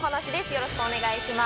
よろしくお願いします。